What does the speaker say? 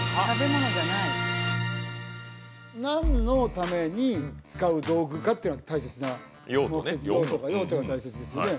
何のために使う道具かっていうのが大切な用途ね用途用途が大切ですよね